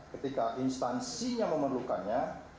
ketika instansinya memerlukannya